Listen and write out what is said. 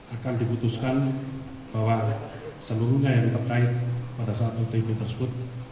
akan diputuskan bahwa seluruhnya yang terkait pada saat otg tersebut